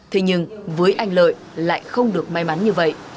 thế nhưng với anh lợi lại không được may mắn như vậy